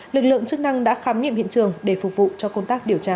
lực lượng chức năng đã khám nghiệm hiện trường để phục vụ cho công tác điều tra